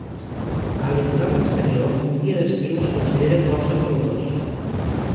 Al litoral exterior, un dia d'estiu es considera força calorós.